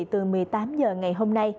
từ một mươi tám h ngày hôm nay